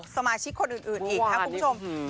สมาชิกคนอื่นอีกนะครับคุณผู้ชม